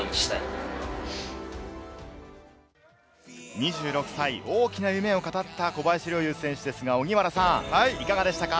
２６歳、大きな夢を語った小林陵侑選手ですが、いかがでしたか？